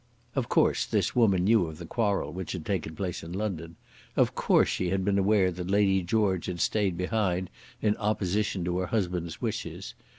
Of course this woman knew of the quarrel which had taken place in London. Of course she had been aware that Lady George had stayed behind in opposition to her husband's wishes.